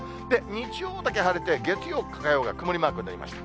日曜だけ晴れて、月曜、火曜が曇りマークになりました。